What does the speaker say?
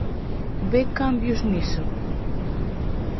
Ve cambios niso?